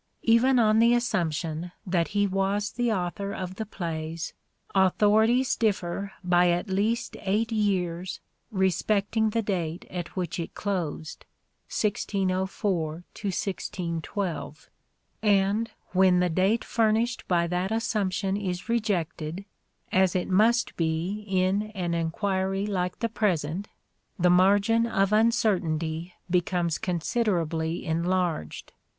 Even on the assumption that he was the author of the plays, authorities differ by at least eight years respecting the date at which it closed (1604 1612) ; and when the date furnished by that assumption is rejected, as it must be in an enquiry like the present, the margin of uncertainty becomes considerably enlarged.